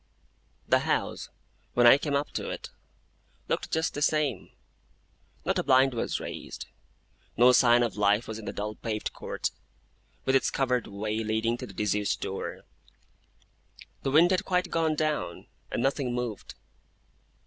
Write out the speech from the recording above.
The house, when I came up to it, looked just the same. Not a blind was raised; no sign of life was in the dull paved court, with its covered way leading to the disused door. The wind had quite gone down, and nothing moved.